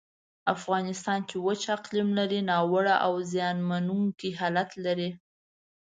افغانستان چې وچ اقلیم لري، ناوړه او زیانمنونکی حالت لري.